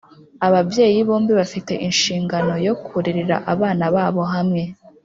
ababyeyi bombi bafite inshingano yo kurerera abana babo hamwe,